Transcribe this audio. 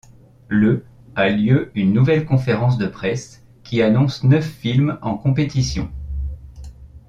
Le a lieu une nouvelle conférence de presse qui annonce neuf films en compétitions.